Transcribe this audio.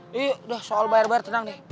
yaudah soal bayar bayar tenang deh